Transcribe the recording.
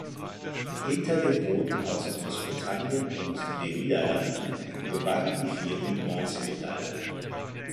Hinter den Booten aus Großbritannien und den Niederlanden gewannen die vier die Bronzemedaille.